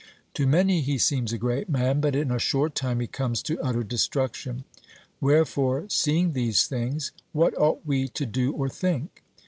To many he seems a great man; but in a short time he comes to utter destruction. Wherefore, seeing these things, what ought we to do or think?